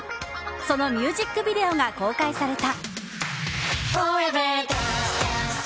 そのミュージックビデオが公開された。